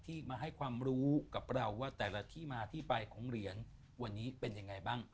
ที่มาให้ความรู้กับเราว่าแต่ละที่มาที่ไปของเหรียญวันนี้เป็นยังไงบ้าง